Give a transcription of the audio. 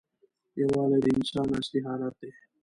یووالی د انسان اصلي حالت دی.